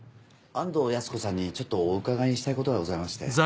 安藤泰子さんにちょっとお伺いしたいことがございまして。